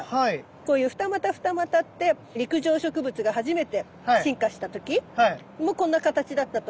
こういう二股二股って陸上植物が初めて進化した時もこんな形だったと言われていて。